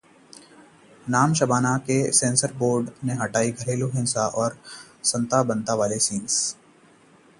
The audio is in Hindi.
'नाम शबाना' से सेंसर बोर्ड ने हटाए घरेलू हिंसा और संता बंता वाले सीन्स